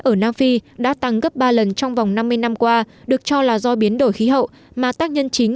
ở nam phi đã tăng gấp ba lần trong vòng năm mươi năm qua được cho là do biến đổi khí hậu mà tác nhân chính